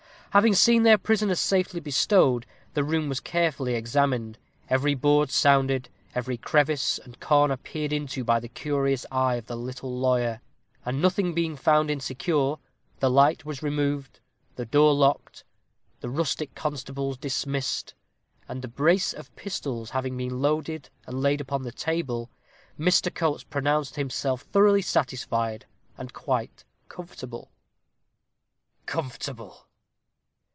Having seen their prisoner safely bestowed, the room was carefully examined, every board sounded, every crevice and corner peered into by the curious eye of the little lawyer; and nothing being found insecure, the light was removed, the door locked, the rustic constables dismissed, and a brace of pistols having been loaded and laid on the table, Mr. Coates pronounced himself thoroughly satisfied and quite comfortable. Comfortable!